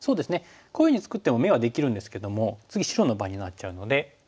こういうふうに作っても眼はできるんですけども次白の番になっちゃうので。